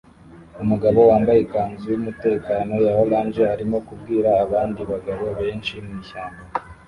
Umugabo wambaye ikanzu yumutekano ya orange arimo kubwira abandi bagabo benshi mwishyamba